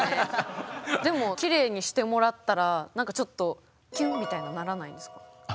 でもきれいにしてもらったらなんかちょっときゅんみたいなのならないんですか？